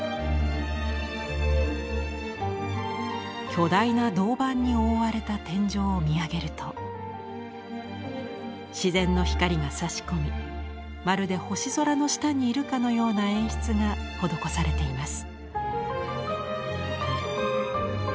巨大な銅板に覆われた天井を見上げると自然の光がさし込みまるで星空の下にいるかのような演出が施されています。